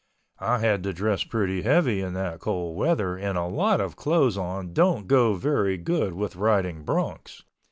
I had to dress pretty heavy in that cold weather and a lot of clothes on don't go very good with riding broncs.